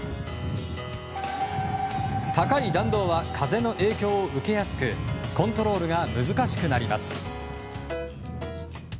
高い弾道は風の影響を受けやすくコントロールが難しくなります。